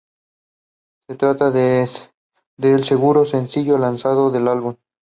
Se trata del segundo sencillo lanzado del álbum.